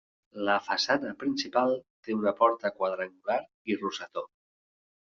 La façana principal té una porta quadrangular i rosetó.